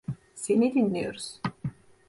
Seni dinliyoruz.